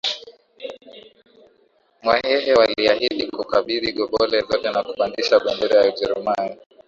Wahehe waliahidi kukabidhi gobole zote na kupandisha bendera ya Ujerumani